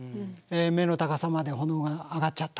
目の高さまで炎が上がっちゃった。